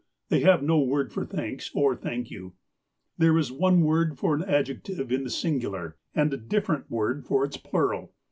They have no word for "thanks" or "thank you." There is one word for an adjective in the singular, and a different word for its plural.